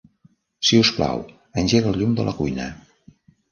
Si us plau, engega el llum de la cuina.